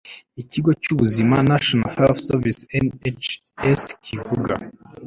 ikigo cyubuzima National Health Service NHS kibivuga